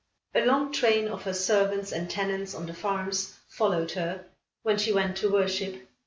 A long train of her servants, and tenants on the farms followed her, when she went to worship.